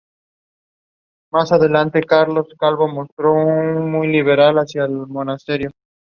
Se amplió el perímetro del edificio y se ubican nuevos puentes de embarque.